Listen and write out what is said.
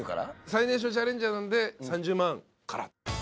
最年少チャレンジャーなんで３０万から。